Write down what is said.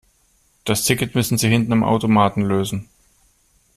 Das Ticket müssen Sie hinten am Automaten lösen.